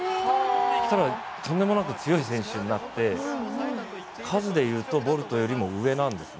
そうしたらとんでもなく強い選手になって数でいうとボルトよりも上なんですね。